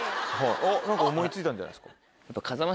あっ何か思い付いたんじゃないですか？